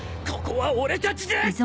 ここは俺たちで。